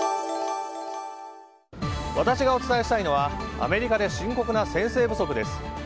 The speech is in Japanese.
私がお伝えしたいのはアメリカで深刻な先生不足です。